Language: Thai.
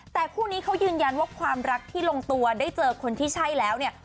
แต่คู่นี้เขายืนยันว่าความรักที่ลงตัวได้เจอคนที่ใช่แล้วเนี่ย